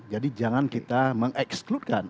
jadi jangan kita mengekskludkan